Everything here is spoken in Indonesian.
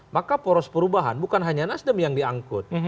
maka poros perubahan bukan hanya nasdem yang diangkut